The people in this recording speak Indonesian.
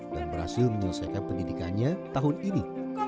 dan berhasil menyelesaikan pendidikannya tahun ini